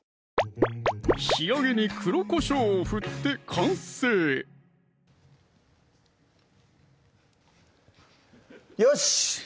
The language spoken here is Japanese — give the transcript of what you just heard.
仕上げに黒こしょうを振って完成よし！